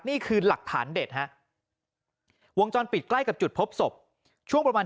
นี่คือหลักฐานเด็ดฮะวงจรปิดใกล้กับจุดพบศพช่วงประมาณ